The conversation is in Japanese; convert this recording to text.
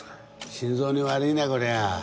心臓に悪いなこりゃ。